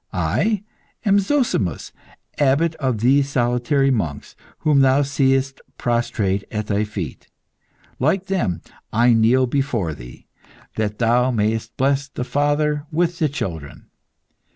I am Zozimus, abbot of these solitary monks whom thou seest prostrate at thy feet. Like them, I kneel before thee, that thou mayest bless the father with the children.